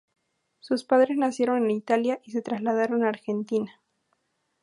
Sus padres nacieron en Italia y se trasladaron a Argentina.